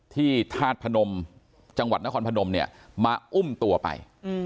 ที่ทาสพนมจังหวัดนครพนมมาอุ้มตัวไป